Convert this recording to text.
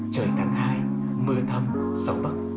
trời tháng hai mưa thấm sông bắc